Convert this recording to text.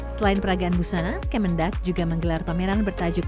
selain peragaan busana kementerian perdagangan juga menggelar pameran bertajuk